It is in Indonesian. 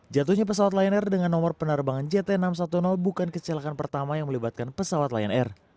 jatuhnya pesawat lion air dengan nomor penerbangan jt enam ratus sepuluh bukan kecelakaan pertama yang melibatkan pesawat lion air